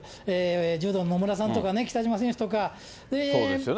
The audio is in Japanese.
柔道の野村さんとか、北島選手とか。